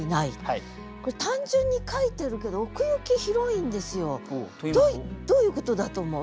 これ単純に書いてるけど奥行き広いんですよ。どういうことだと思う？